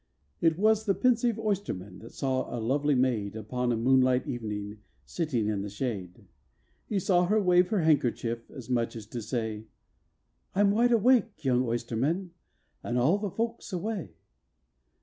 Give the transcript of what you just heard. It was the pensive oysterman that saw a lovely maid, Upon a moonlight evening, a sitting in the shade; He saw her wave her handkerchief, as much as if to say, "I 'm wide awake, young oysterman, and all the folks away."